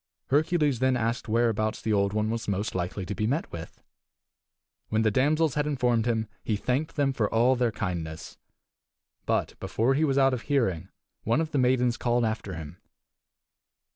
Hercules then asked whereabouts the Old One was most likely to be met with. When the damsels had informed him he thanked them for all their kindness. But before he was out of hearing one of the maidens called after him.